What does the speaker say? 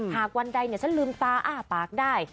หากวันใดฉันลืมตาอ้าปากได้